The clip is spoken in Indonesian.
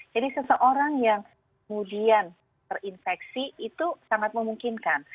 jadi seseorang yang kemudian terinfeksi itu sangat memungkinkan